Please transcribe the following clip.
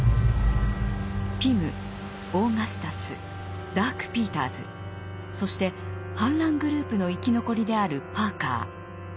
ピムオーガスタスダーク・ピーターズそして反乱グループの生き残りであるパーカー。